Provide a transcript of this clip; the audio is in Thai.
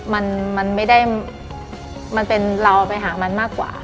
มันมันไม่ได้มันเป็นเราไปหามันมากกว่า